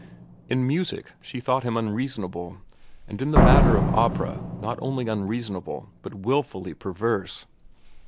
In music she thought him unreasonable, and in the matter of opera not only unreasonable but wilfully perverse.